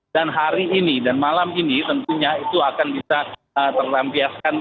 dan hari ini dan malam ini tentunya itu akan bisa terlampiaskan